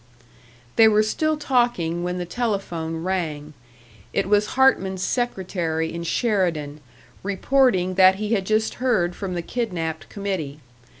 They were still talking when the telephone rang. It was Hartman's secretary in Sheridan, reporting that he had just heard from the kidnapped committee.